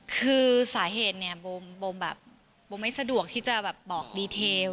คือสาเหตุเนี่ยบ่ไม่สะดวกที่จะบอกดีเทล